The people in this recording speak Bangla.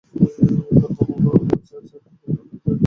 তার বাবা-মা এবং তার চার ভাইবোন তার পেশা মেনে নিয়েছেন।